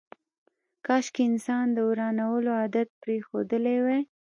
کاشکي انسان د ورانولو عادت پرېښودلی وای.